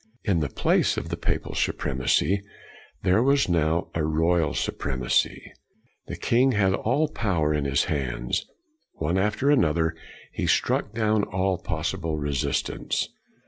In the place of the Papal Supremacy there was now a Royal Su premacy. The king had all power in his hands. One after another, he struck down all possible resistance.